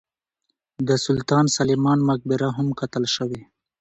د سلطان سلیمان مقبره هم کتل شوې.